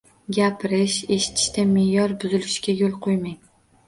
Gapirish, eshitishda me’yor buzilishiga yo‘l qo‘ymang.